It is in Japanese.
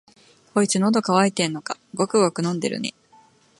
こいつ、のど渇いてんのか、ごくごく飲んでるね。